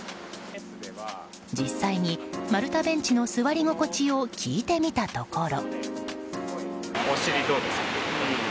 実際に、丸太ベンチの座り心地を聞いてみたところ。